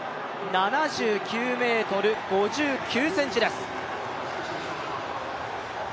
７９ｍ５９ｃｍです。